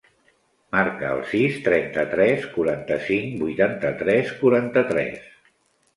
Marca el sis, trenta-tres, quaranta-cinc, vuitanta-tres, quaranta-tres.